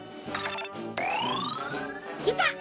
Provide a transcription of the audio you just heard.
いた！